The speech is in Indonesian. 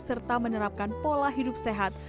serta menerapkan pola hidup sehat